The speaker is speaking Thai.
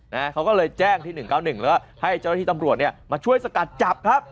นะฮะเขาก็เลยแจ้งที่๑๙๑แล้วก็ให้เจ้าหน้าที่ตำรวจเนี่ยมาช่วยสกัดจับครับ